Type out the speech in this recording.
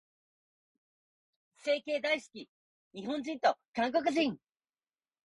整形大好き、日本人と韓国人。